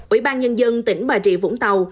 ủy ban nhân dân tỉnh bà rịa vũng tàu